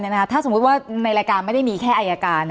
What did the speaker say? ถ้าสมมุติว่าในรายการไม่ได้มีแค่อายการ